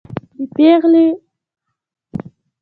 د پېغلې و کوس ته د ځوان غڼ لک شوی